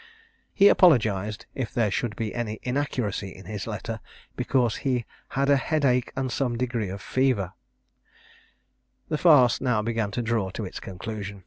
He apologized, if there should be any inaccuracy in his letter, because he had a head ache and some degree of fever. The farce now began to draw to its conclusion.